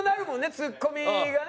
ツッコミがね。